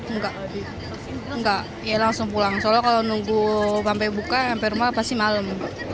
enggak enggak ya langsung pulang soalnya kalau nunggu sampai buka sampai rumah pasti malam